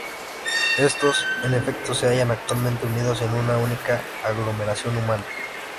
Estos, en efecto, se hallan actualmente unidos en una única aglomeración humana.